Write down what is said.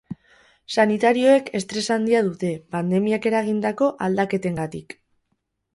Sanitarioek estres handia dute, pandemiak eragindako aldaketengatik.